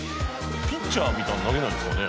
ピッチャーみたいな投げないんですかね？